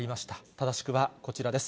正しくはこちらです。